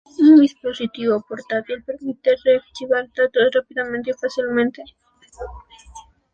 Un dispositivo portátil permite archivar datos rápida y fácilmente.